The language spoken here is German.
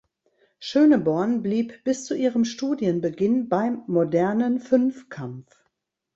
Schöneborn blieb bis zu ihrem Studienbeginn beim Modernen Fünfkampf.